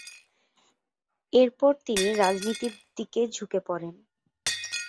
এরপর তিনি রাজনীতির দিকে ঝুঁকে পড়েন।